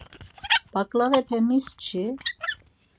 Baǩlavape mis çi?